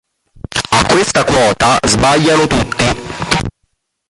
A questa quota sbagliano tutti.